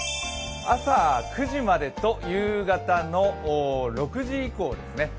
朝９時までと夕方の６時以降ですね。